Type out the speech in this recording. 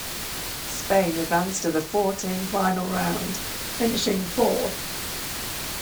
Spain advanced to the four-team Final Round, finishing fourth.